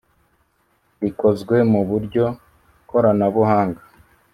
rikozwe mu buryo koranabuhanga